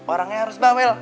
orangnya harus bawel